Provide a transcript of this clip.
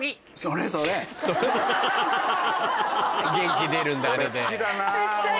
元気出るんだあれで。